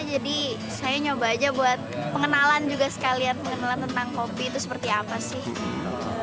jadi saya nyoba aja buat pengenalan juga sekalian pengenalan tentang kopi itu seperti apa sih